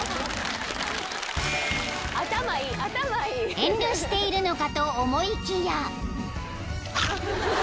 ［遠慮しているのかと思いきや］